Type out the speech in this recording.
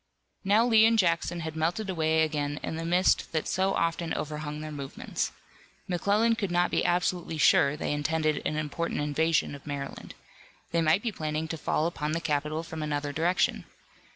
Now Lee and Jackson had melted away again in the mist that so often overhung their movements. McClellan could not be absolutely sure they intended an important invasion of Maryland. They might be planning to fall upon the capital from another direction.